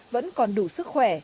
vẫn còn đủ sức khỏe